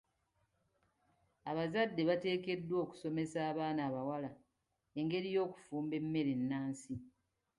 Abazadde bateekeddwa okusomesa abaana abawala engeri y'okufumba emmere ennansi.